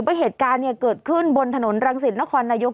เพราะเหตุการณ์เนี่ยเกิดขึ้นบนถนนรังสิตนครนายก